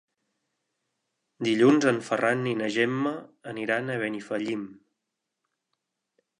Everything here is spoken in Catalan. Dilluns en Ferran i na Gemma aniran a Benifallim.